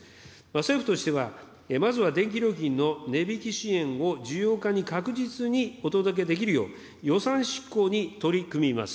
政府としては、まずは電気料金の値引き支援を需要家に確実にお届けできるよう、予算執行に取り組みます。